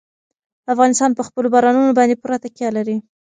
افغانستان په خپلو بارانونو باندې پوره تکیه لري.